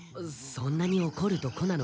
そんなにおこるとこなのか？